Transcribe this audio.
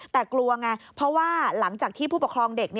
แต่กลัวไงเพราะว่าหลังจากที่ผู้ปกครองเด็ก